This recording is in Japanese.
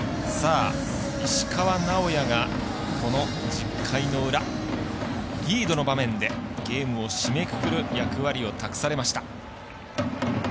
石川直也が、１０回の裏リードの場面でゲームを締めくくる役割を託されました。